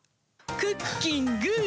クッキング！